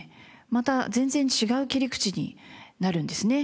また全然違う切り口になるんですね。